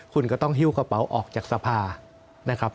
คุณก็ต้องหิ้วกระเป๋าออกจากสภานะครับ